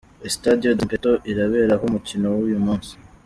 Estádio do Zimpeto iraberaho umukino w’uyu munsi.